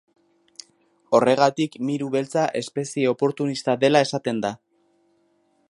Horregatik miru beltza espezie oportunista dela esaten da.